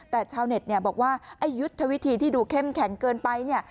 แต่ชาวเน็ตเนี่ยบอกว่าไอ้ยุทธวิธีที่ดูเข้มแข็งเกินไปเนี่ย